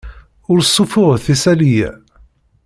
Ur ssuffuɣet isali-a.